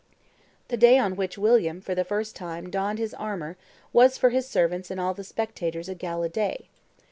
The day on which William for the first time donned his armor was for his servants and all the spectators a gala day.